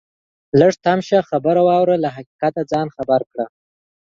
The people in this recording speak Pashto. لږ تم شه خبره واوره ته له حقیقته ځان خبر کړه